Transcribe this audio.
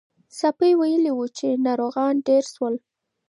ساپی ویلي وو چې ناروغان ډېر شول.